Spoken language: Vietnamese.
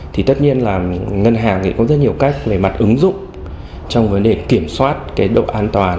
thì tất nhiên là ngân hàng thì có rất nhiều cách về mặt ứng dụng trong vấn đề kiểm soát cái độ an toàn